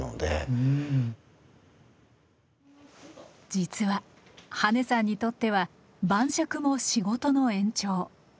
実は羽根さんにとっては晩酌も仕事の延長。